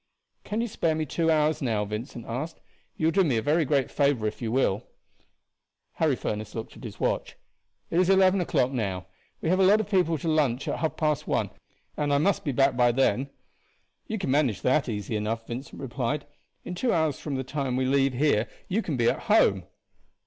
"Can you spare me two hours now?" Vincent asked. "You will do me a very great favor if you will." Harry Furniss looked at his watch. "It is eleven o'clock now; we have a lot of people to lunch at half past one, and I must be back by then." "You can manage that easy enough," Vincent replied; "in two hours from the time we leave here you can be at home."